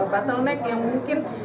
battle neck yang mungkin